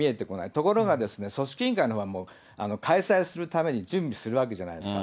ところが組織委員会のほうはもう、開催するために準備するわけじゃないですか。